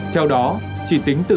theo đó chỉ tính từ